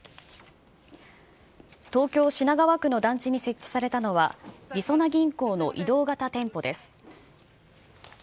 東京・品川区の団地に設置されたのは、りそな銀行の移動型店舗です。